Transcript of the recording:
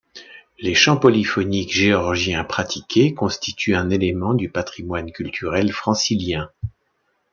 Les chants polyphoniques géorgiens pratiqués constituent un élément du patrimoine culturel francilien.